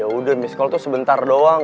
ya udah miss call tuh sebentar doang